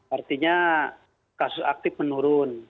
artinya kasus aktif menurun